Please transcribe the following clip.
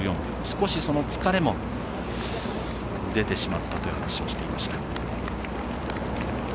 少しその疲れも出てしまったという話をしていました。